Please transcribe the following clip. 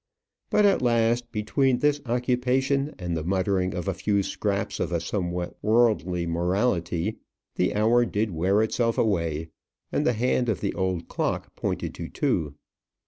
But at last, between this occupation and the muttering of a few scraps of a somewhat worldly morality, the hour did wear itself away, and the hand of the old clock pointed to two.